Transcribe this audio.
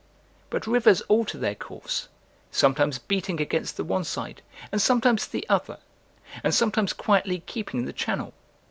But rivers alter their course, sometimes beating against the one side, and sometimes the other, and some times quietly keeping the channel.